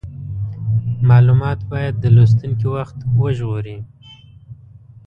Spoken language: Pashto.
مالومات باید د لوستونکي وخت وژغوري.